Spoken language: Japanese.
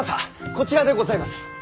こちらでございます。